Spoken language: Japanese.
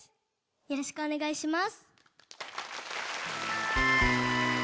よろしくお願いします。